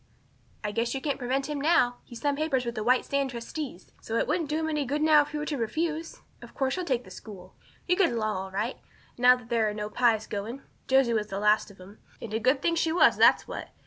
"I guess you can't prevent him now. He's signed papers with the White Sands trustees. So it wouldn't do him any good now if you were to refuse. Of course you'll take the school. You'll get along all right, now that there are no Pyes going. Josie was the last of them, and a good thing she was, that's what.